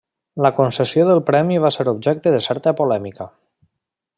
La concessió del premi va ser objecte de certa polèmica.